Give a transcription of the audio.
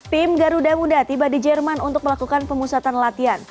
tim garuda muda tiba di jerman untuk melakukan pemusatan latihan